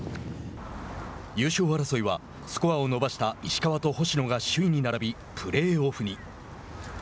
優勝争いはスコアを伸ばした石川と星野が首位に並びプレーオフに。